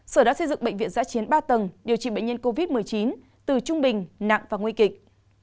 sở đã xây dựng bệnh viện giã chiến ba tầng điều trị bệnh nhân covid một mươi chín từ trung bình nặng và nguy kịch